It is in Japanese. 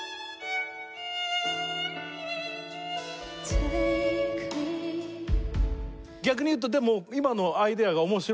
「Ｔａｋｅｍｅ．．．」逆に言うとでも今のアイデアが面白い。